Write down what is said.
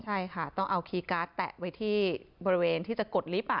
ใช่ค่ะต้องเอาคีย์การ์ดแตะไว้ที่บริเวณที่จะกดลิฟต์